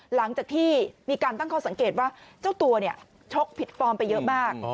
หลังจากที่มีการตั้งข้อสังเกตว่าเจ้าตัวชกผิดฟอร์มไปเยอะมาก